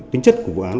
tính chất của vụ án